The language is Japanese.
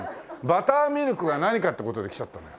バターミルクが何かって事で来ちゃったのよ。